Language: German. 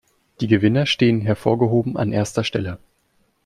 Die Gewinner stehen hervorgehoben an erster Stelle.